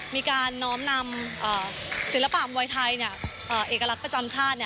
มีการน้อมนำศิลปะมวยไทยเอกลักษณ์ประจำชาติ